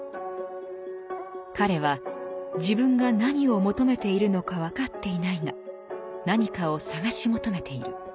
彼は自分が何を求めているのか分かっていないが何かを探し求めている。